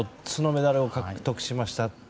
４つのメダルを獲得しました。